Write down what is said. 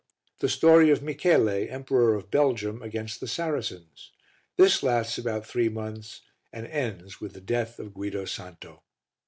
The Story of Michele, Emperor of Belgium, against the Saracens. This lasts about three months and ends with the death of Guido Santo.